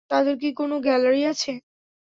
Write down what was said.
তাদের কি কোন গ্যালারি আছে?